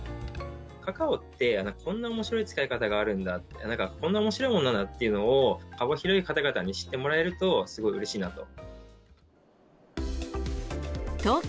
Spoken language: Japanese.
カカオって、こんなにおもしろい使い方があるんだ、なんかこんなおもしろいものなんだっていうのを、幅広い方々に知ってもらえると、すごいうれしいなと。